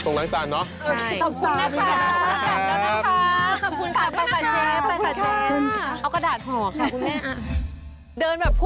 ส่วนก็เช่นเคยน่ะคุณดียา